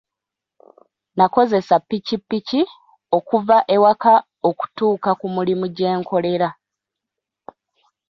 Nakozesa ppikipiki okuva ewaka okutuuka ku mulimu gye nkolera.